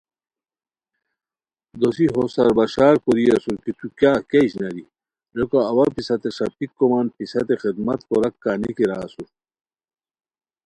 دوسی ہو سار بشار کوری اسور کی تو کیاغ کیہ اشناری؟ ریکو اوا پِستے ݰاپیک کومان پِستے خدمت کوراک کا نیکی را اسور